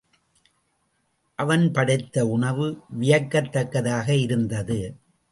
அவன் படைத்த உணவு வியக்கத்தக்கதாக இருந்தது.